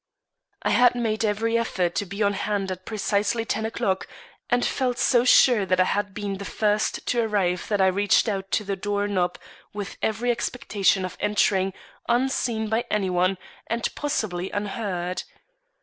I had made every effort to be on hand at precisely ten o'clock, and felt so sure that I had been the first to arrive that I reached out to the door knob with every expectation of entering, unseen by any one, and possibly unheard.